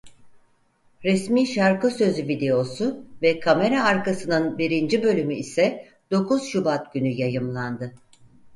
Resmî şarkı sözü videosu ve kamera arkasının birinci bölümü ise dokuz Şubat günü yayımlandı.